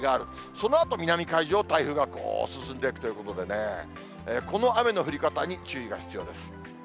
そのあと南海上を台風がこう進んでいくということでね、この雨の降り方に注意が必要です。